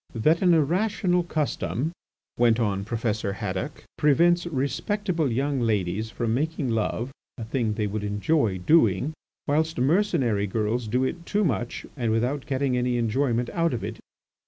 ..."... That an irrational custom," went on Professor Haddock, "prevents respectable young ladies from making love, a thing they would enjoy doing, whilst mercenary girls do it too much and without getting any enjoyment out of it.